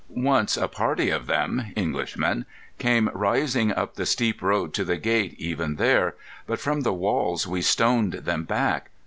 Once a party of them—Englishmen—came rising up the steep road to the gate even there, but from the walls we stoned them back.